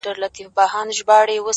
لږ دي د حُسن له غروره سر ور ټیټ که ته;